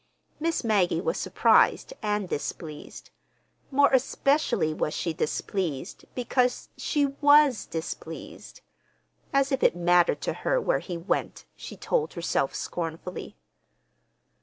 Miss Maggie was surprised and displeased. More especially was she displeased because she was displeased. As if it mattered to her where he went, she told herself scornfully.